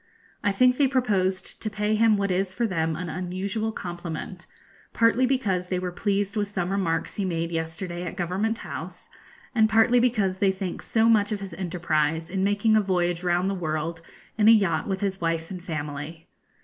I think they proposed to pay him what is for them an unusual compliment, partly because they were pleased with some remarks he made yesterday at Government House, and partly because they think so much of his enterprise in making a voyage round the world in a yacht with his wife and family.